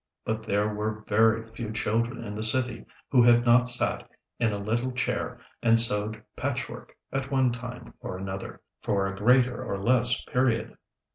But there were very few children in the city who had not sat in a little chair and sewed patchwork, at one time or another, for a greater or less period.